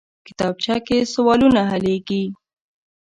کتابچه کې سوالونه حلېږي